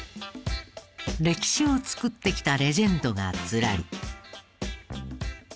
歴史を作ってきたレジェンドがズラリ。